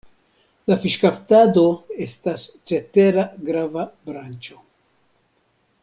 La fiŝkaptado estas cetera grava branĉo.